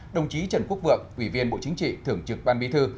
đồng chí trần quốc vượng ủy viên bộ chính trị thưởng trực ban bí thư